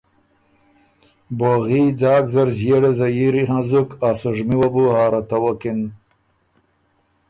بوغي ځاک زر ݫئېړه زهیري هنزُک ا سُژمی وه بو هارتوکِن۔